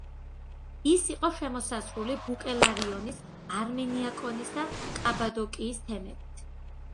ის იყო შემოსაზღვრული ბუკელარიონის, არმენიაკონის და კაპადოკიის თემებით.